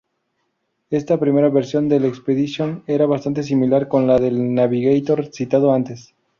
Esta primera versión del Expedition era bastante similar con la del Navigator citado antes.